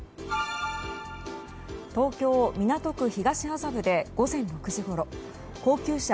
東京・港区東麻布で午前６時ごろ高級車